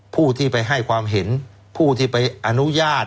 ผู้ที่ไปให้ความเห็นผู้ที่ไปอนุญาต